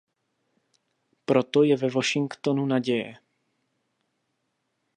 Proto je ve Washingtonu naděje.